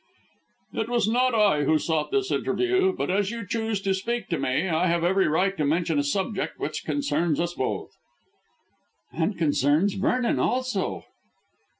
"It was not I who sought this interview. But as you chose to speak to me I have every right to mention a subject which concerns us both." "And concerns Vernon also."